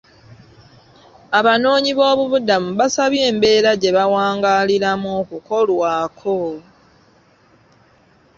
Abanoonyiboobubudamu baasabye embeera gye bawangaaliramu okukolwako.